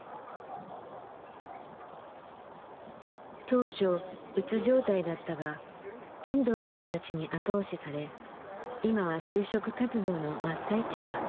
当初うつ状態だったが遠藤さんたちに後押しされ今は就職活動の真っ最中だ。